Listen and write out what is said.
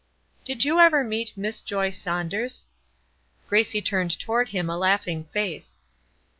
"Did you ever meet Miss Joy Saunders?" Gracie turned toward him a laughing face.